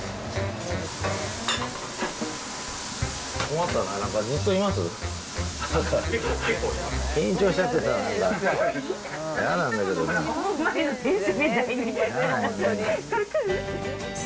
困ったな、なんか、ずっといます？